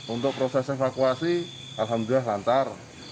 untuk proses evakuasi alhamdulillah lancar